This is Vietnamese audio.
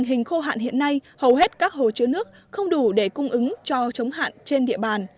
hiện nay hầu hết các hồ chứa nước không đủ để cung ứng cho chống hạn trên địa bàn